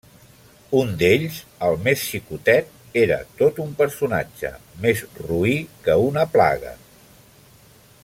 Un d’ells, el més xicotet, era tot un personatge, més roí que una plaga.